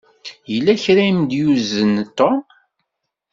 Yella kra i m-d-yuzen Tom.